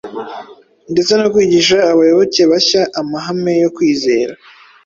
ndetse no kwigisha abayoboke bashya amahame yo kwizera.